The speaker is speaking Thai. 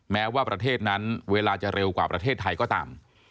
แม้ว่าประเทศนั้นเวลาจะเร็วกว่าประเทศไทยก็ตาม